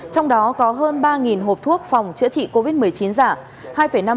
trong đó có hơn ba hộp thuốc phòng chữa trị covid một mươi chín giả